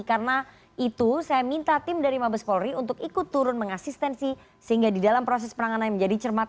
karena itu saya minta tim dari mabes polri untuk ikut turun mengasistensi sehingga di dalam proses penanganan menjadi cermat